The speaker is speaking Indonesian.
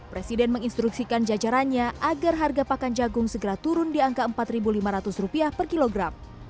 presiden menginstruksikan jajarannya agar harga pakan jagung segera turun di angka rp empat lima ratus per kilogram